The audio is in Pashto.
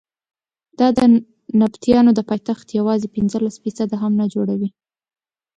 دا د نبطیانو د پایتخت یوازې پنځلس فیصده هم نه جوړوي.